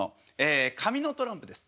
紙のトランプです。